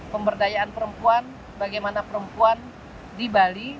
pemberdayaan perempuan bagaimana perempuan di bali